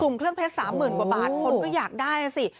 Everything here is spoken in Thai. ุ่มเครื่องเพชร๓๐๐๐กว่าบาทคนก็อยากได้นะสิ